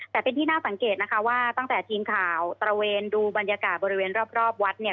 แต่เป็นที่น่าสังเกตนะคะว่าตั้งแต่ทีมข่าวตระเวนดูบรรยากาศบริเวณรอบวัดเนี่ย